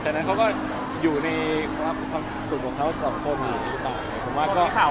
ฉะนั้นเขาก็อยู่ในความสุขของเขาสองคนอยู่ในความรัก